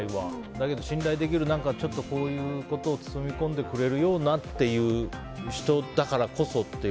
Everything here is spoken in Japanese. だけど信頼できるこういうことを包み込んでくれるようなっていう人だからこそっていう。